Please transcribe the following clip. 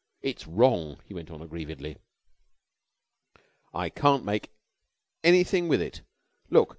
It's wrong," he went on aggrievedly. "I can't make anything with it. Look!